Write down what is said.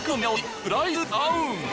プライスダウン！